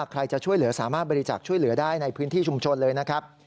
ใครจะช่วยเหลือสามารถบริจาคช่วยเหลือได้ในพื้นที่ชุมชนเลยนะครับ